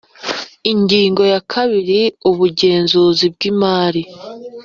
Ingingo ya kabiri Ubugenzuzi bw Imari